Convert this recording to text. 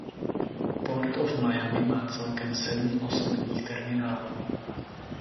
Port of Miami má celkem sedm osobních terminálů.